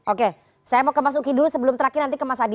oke saya mau ke mas uki dulu sebelum terakhir nanti ke mas adi